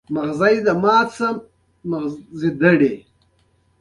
مړه ته د قبر د رڼا سوال کوو